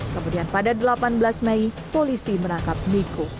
kemudian pada delapan belas mei polisi menangkap miko